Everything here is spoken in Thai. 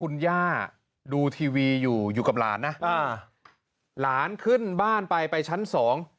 คุณย่าดูทีวีอยู่อยู่กับหลานนะอ่าหลานขึ้นบ้านไปไปชั้นสอง